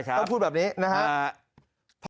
พูดแบบนี้นะครับ